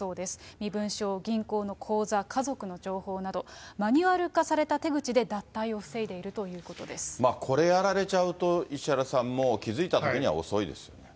身分証、銀行の口座、家族の情報など、マニュアル化された手口で、これやられちゃうと、石原さん、もう気付いたときには遅いですよね。